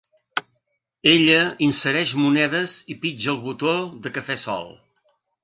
Ella insereix monedes i pitja el botó de cafè sol.